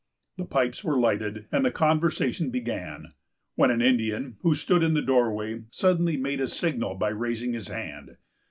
The pipes were lighted, and the conversation began, when an Indian, who stood in the doorway, suddenly made a signal by raising his head.